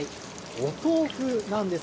お豆腐なんです。